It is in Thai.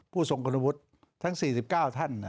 ผู้ทรงคุณพุทธทั้ง๔๙ท่าน